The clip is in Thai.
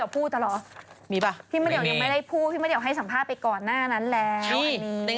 ๖๐ปี